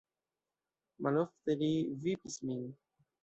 Malofte li vipis min.